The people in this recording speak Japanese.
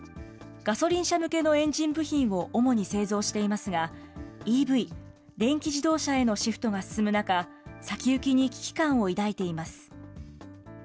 ガソリン車向けのエンジン部品を主に製造していますが、ＥＶ・電気自動車へのシフトが進む中、先行きに危機感を抱いています。